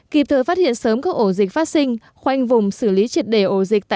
kịp thời phát hiện sớm các ổ dịch phát sinh khoanh vùng xử lý triệt đề ổ dịch tại